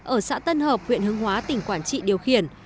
ở xã tân hợp huyện hương hóa tỉnh quảng trị điều khiển